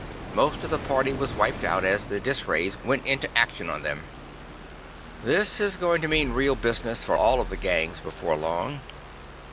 Most of the party was wiped out as the dis rays went into action on them. "This is going to mean real business for all of the gangs before long.